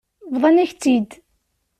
Bḍan-ak-tt-id.